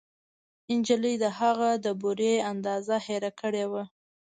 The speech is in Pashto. نجلۍ د هغه د بورې اندازه هېره کړې وه